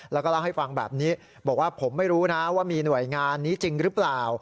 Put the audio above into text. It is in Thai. แล้วก็เล่าให้ฟังแบบนี้บอกว่าผมไม่รู้นะว่ามีหน่วยงานนี้จริงหรือเปล่า